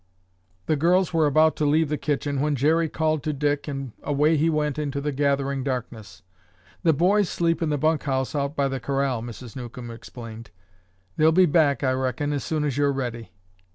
The girls were about to leave the kitchen when Jerry called to Dick and away he went into the gathering darkness. "The boys sleep in the bunk house out by the corral," Mrs. Newcomb explained. "They'll be back, I reckon, soon as you're ready."